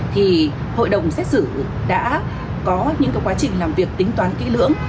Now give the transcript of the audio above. thì hội đồng xét xử đã có những quá trình làm việc tính toán kỹ lưỡng